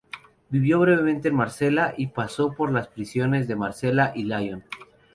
Vivió brevemente en Marsella y pasó por las prisiones de Marsella y Lyon.